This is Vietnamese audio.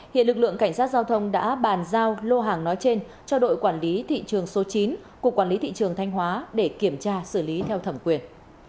hiện lực lượng cảnh sát giao thông đã bàn giao lô hàng nói trên cho đội quản lý thị trường số chín của quản lý thị trường thanh hóa để kiểm tra xử lý theo thẩm quyền